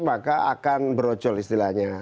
maka akan berocol istilahnya